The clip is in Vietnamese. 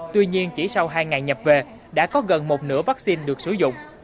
tuy nhiên chỉ sau hai ngày nhập về đã có gần một nửa vaccine được sử dụng